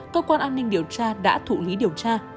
cơ quan an ninh điều tra đã thụ lý điều tra